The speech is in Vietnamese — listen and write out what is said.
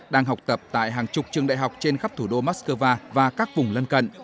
đang học tập tại hàng chục trường đại học trên khắp thủ đô moscow và các vùng lân cận